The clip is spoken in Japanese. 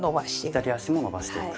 左足も伸ばしていく。